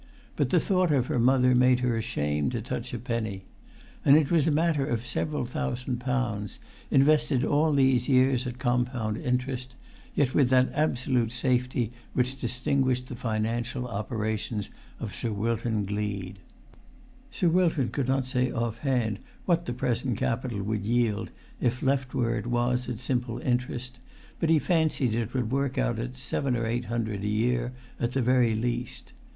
But the thought of her mother made her ashamed to touch a penny. And it was a matter of several thousand pounds, invested all these years at compound interest, yet with that absolute safety which distinguished the financial operations of Sir Wilton Gleed. Sir Wilton could not say off hand what the present capital would yield if left where it was at simple interest, but he fancied it would work out at seven or eight hundred a year at the very least.